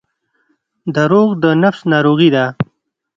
• دروغ د نفس ناروغي ده.